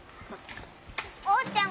おうちゃん